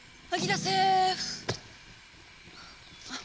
あっ？